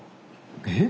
えっ？